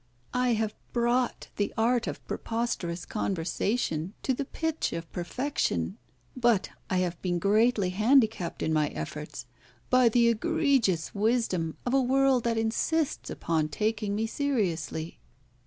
I have brought the art of preposterous conversation to the pitch of perfection; but I have been greatly handicapped in my efforts by the egregious wisdom of a world that insists upon taking me seriously.